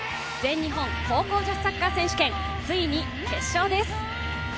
全日本高校女子サッカー選手権ついに決勝です。